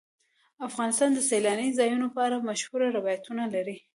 افغانستان د سیلاني ځایونو په اړه مشهور روایتونه لري.